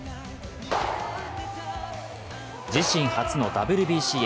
自身初のＷＢＣへ。